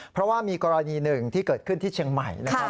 เพราะว่ามีกรณีหนึ่งที่เกิดขึ้นที่เชียงใหม่นะครับ